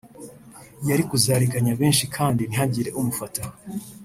yari kuzariganya benshi kandi ntihagire umufata